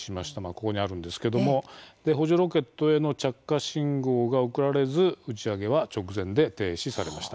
ここにあるんですけども補助ロケットへの着火信号が送られず打ち上げは直前で停止されました。